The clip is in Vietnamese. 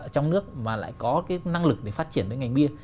trong nước mà lại có cái năng lực để phát triển đến ngành bia